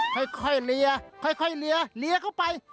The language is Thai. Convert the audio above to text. ค่อยเหลียเหลียเหลียเข้าไป